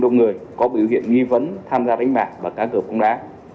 đông người có biểu hiện nghi vấn tham gia đánh bạc và cá độ bóng đá